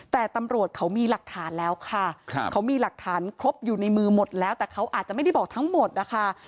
แต่ตำรวจเขามีหลักฐานแล้วค่ะเขามีหลักฐานครบอยู่ในมือหมดแล้วแต่เขาอาจจะไม่ได้บอกทั้งหมดนะคะ